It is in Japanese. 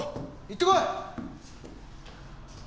行ってこい！